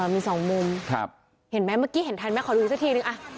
มีสองมุมเห็นไหมเมื่อกี้เห็นทันไหมขอดูสักทีนึง